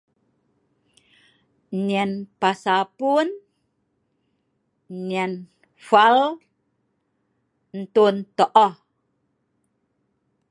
Nyen pun'nyel flwal ntun to'oh.